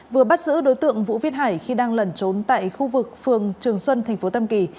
vừa bắt giữ đối tượng vũ viết hải khi đang lẩn trốn tại khu vực phường trường xuân tp tam kỳ